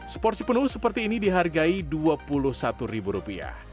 seporsi penuh seperti ini dihargai rp dua puluh satu